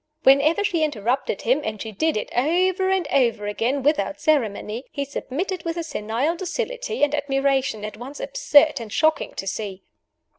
Whenever she interrupted him and she did it, over and over again, without ceremony he submitted with a senile docility and admiration, at once absurd and shocking to see.